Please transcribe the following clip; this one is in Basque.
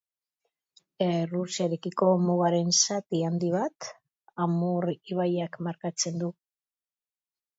Errusiarekiko mugaren zati handi bat, Amur ibaiak markatzen du.